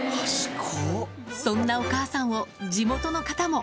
そんなお母さんを地元の方も。